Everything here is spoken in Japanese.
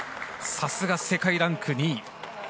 さすが、世界ランク２位。